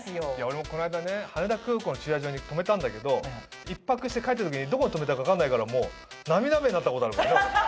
俺もこの間羽田空港の駐車場に止めたんだけど１泊して帰った時にどこに止めたか分かんないからもう涙目になったことあるからね俺。